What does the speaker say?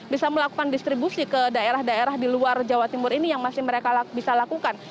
bisa melakukan distribusi ke daerah daerah di luar jawa timur ini yang masih mereka bisa lakukan